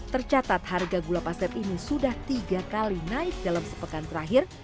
tercatat harga gula pasir ini sudah tiga kali naik dalam sepekan terakhir